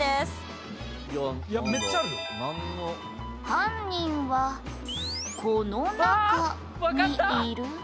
「犯人は“この中”にいる」